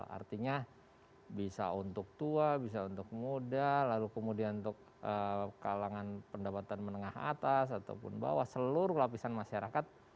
artinya bisa untuk tua bisa untuk muda lalu kemudian untuk kalangan pendapatan menengah atas ataupun bawah seluruh lapisan masyarakat